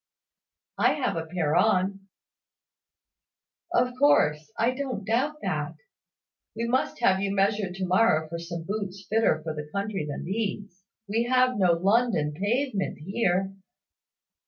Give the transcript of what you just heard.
"I have a pair on." "Of course; I don't doubt that. We must have you measured to morrow for some boots fitter for the country than these. We have no London pavement here."